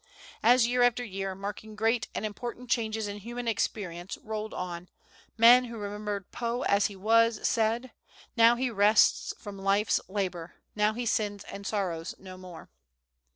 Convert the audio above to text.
As year after year, marking great and important changes in human experience, rolled on, men who remembered Poe as he was, said, "Now he rests from life's labor; now he sins and sorrows no more."